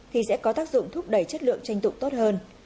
thì sẽ có tác dụng thúc đẩy chất lượng tranh tụng tốt hơn